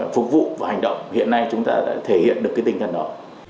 phục vụ và hành động hiện nay chúng ta đã thể hiện được cái tinh thần đó